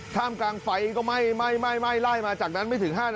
ท่ามกลางไฟก็ไหม้ไล่มาจากนั้นไม่ถึง๕นาที